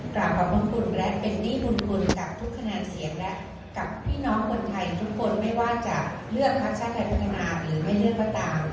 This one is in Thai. กลับกับบุญคุณและเป็นนี่บุญคุณกับทุกคณะเสียงและกับพี่น้องคนไทยทุกคนไม่ว่าจะเลือกภักดิ์ช่าไทยพัฒนาหรือไม่เลือกก็ตาม